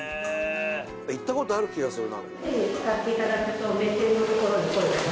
「行ったことある気がする」